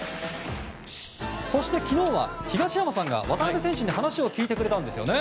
そして、昨日は東山さんが渡邊選手に話を聞いてくれたんですよね。